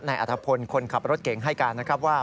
อัธพลคนขับรถเก่งให้การนะครับว่า